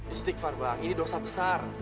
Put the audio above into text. istighfar bang ini dosa besar